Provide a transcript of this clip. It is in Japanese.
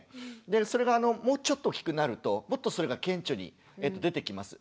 でそれがもうちょっと大きくなるともっとそれが顕著に出てきます。